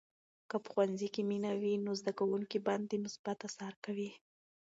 که په ښوونځي کې مینه وي، نو زده کوونکي باندې مثبت اثر کوي.